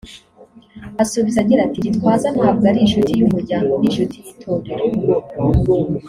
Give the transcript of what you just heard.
asubiza agira ati “Gitwaza ntabwo ari inshuti y’umuryango ni inshuti y’Itorero